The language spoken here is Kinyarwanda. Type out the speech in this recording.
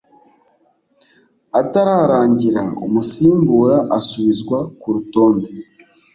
atararangira umusimbura asubizwa ku rutonde